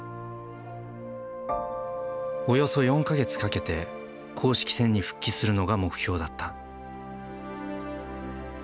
およそ４か月かけて公式戦に復帰するのが目標だった。